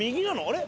あれ？